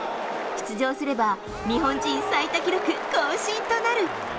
出場すれば日本人最多記録更新となる。